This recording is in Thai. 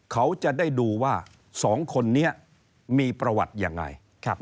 เขาจะได้ดูว่า๒คนนี้มีประวัติยังไง